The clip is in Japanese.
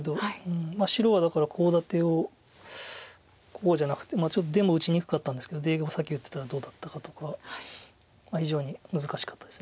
白はだからコウ立てをこうじゃなくてちょっと出も打ちにくかったんですけど出を先打ってたらどうだったかとか非常に難しかったです